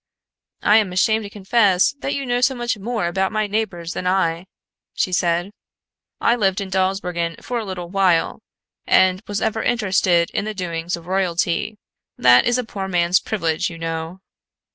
"I am ashamed to confess that you know so much more about my neighbors than I," she said. "I lived in Dawsbergen for a little while, and was ever interested in the doings of royalty. That is a poor man's privilege, you know."